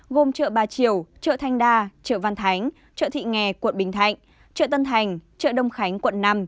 gồm chợ ba triều chợ thanh đa chợ văn thánh chợ thị nghè quận bình thạnh chợ tân thành chợ đông khánh quận năm